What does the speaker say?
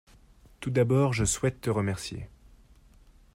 tout d'abord je souhaite te remercier.